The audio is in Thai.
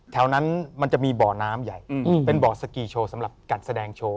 แถวนั้นมันจะมีบ่อน้ำใหญ่เป็นบ่อสกีโชว์สำหรับการแสดงโชว์